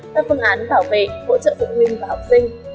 các phương án bảo vệ hỗ trợ phụ huynh và học sinh